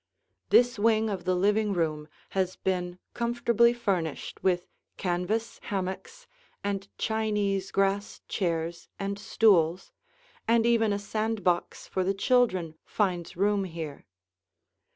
This wing of the living room has been comfortably furnished with canvas hammocks and Chinese grass chairs and stools, and even a sand box for the children finds room here.